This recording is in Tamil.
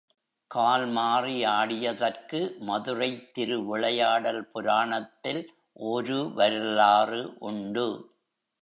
கால் மாறி ஆடியதற்கு மதுரைத் திரு விளையாடல் புராணத்தில் ஒரு வரலாறு உண்டு.